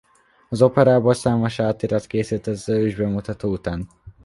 Az operából számos átirat készült az ősbemutató után.